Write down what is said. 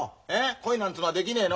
恋なんつうのはできねえの。